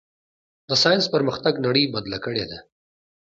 د ساینس پرمختګ نړۍ بدله کړې ده.